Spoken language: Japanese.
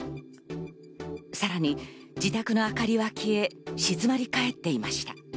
さらに自宅の明かりが消え、静まり返っていました。